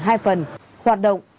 hai phần hoạt động